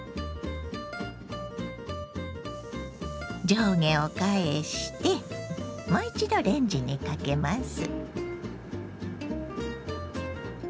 上下を返してもう一度レンジにかけます。